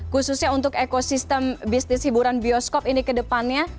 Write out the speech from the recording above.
khususnya untuk ekosistem bisnis hiburan bioskop ini ke depannya